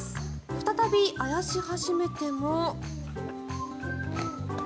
再びあやし始めても。